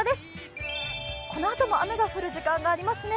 このあとも雨が降る時間がありますね。